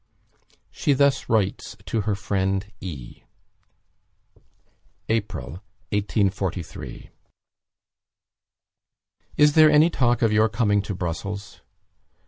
She thus writes to her friend E.: "April, 1843. "Is there any talk of your coming to Brussels?